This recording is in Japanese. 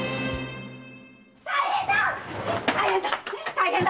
大変だ！